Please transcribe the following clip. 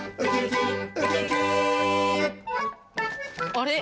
あれ？